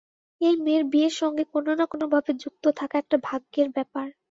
এই মেয়ের বিয়ের সঙ্গে কোনো-না- কোনোভাবে যুক্ত থাকা একটা ভাগ্যের ব্যাপার।